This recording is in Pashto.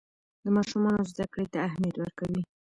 د ماشومانو زده کړې ته اهمیت ورکوي.